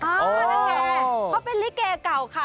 เขาเป็นลิเกเก่าค่ะ